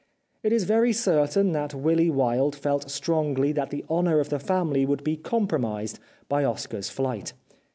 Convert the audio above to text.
It is very certain that Willy Wilde felt strongly that the honour of the family would be compromised by Oscar's flight.